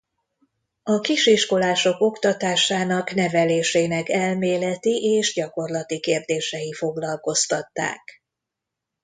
A kisiskolások oktatásának-nevelésének elméleti és gyakorlati kérdései foglalkoztatták.